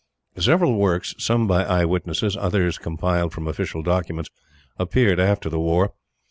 Several works, some by eyewitnesses, others compiled from official documents, appeared after the war.